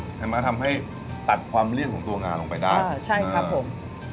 ทำให้ตัดความเลี่ยงของตัวงาลงไปได้อ่าใช่ครับผม